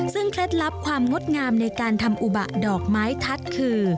ซึ่งเคล็ดลับความงดงามในการทำอุบะดอกไม้ทัศน์คือ